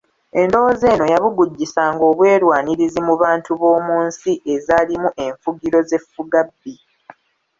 Endowooza eno yabugujjisanga obwerwanirizi mu bantu b’omu nsi ezaalimu enfugiro ez’effugabbi.